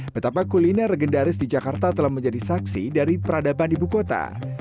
betapa kuliner legendaris di jakarta telah menjadi saksi dari peradaban ibu kota